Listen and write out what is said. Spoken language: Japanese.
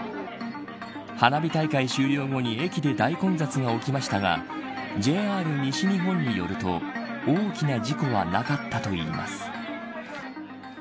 花火大会終了後に駅で大混雑が起きましたがＪＲ西日本によると大きな事故はなかったといいます。